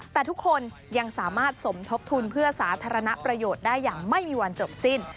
แต่ทุกคนยังสามารถสมทบทุนเพื่อสาธารณประโยชน์ได้อย่างไม่มีวันจบสิ้น